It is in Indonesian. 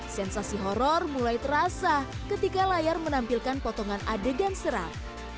sensasi horror mulai terasa ketika layar menampilkan potongan adegan serat